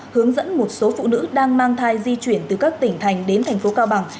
hướng dẫn một số phụ nữ đang mang thai di chuyển từ các tỉnh thành đến thành phố cao bằng